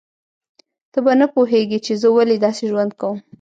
ته به نه پوهیږې چې زه ولې داسې ژوند کوم